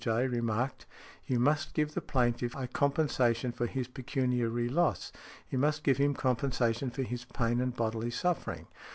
J., remarked, "You must give the plaintiff a compensation for his pecuniary loss, you must give him compensation for his pain and bodily suffering.